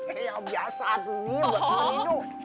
eh ya biasa aduh ini buat merindu